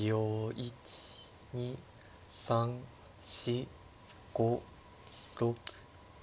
１２３４５６。